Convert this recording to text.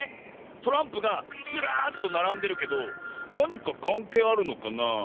トランプがずらっとならんでるけどなにかかんけいあるのかなあ。